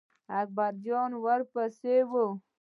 اکبر جان ور پسې و.